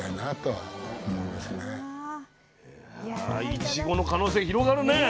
いちごの可能性広がるね。